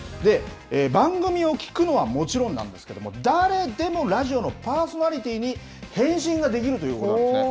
番組を聞くのはもちろんなんですけど、誰でもラジオのパーソナリティーにへんしんができるということなんですね。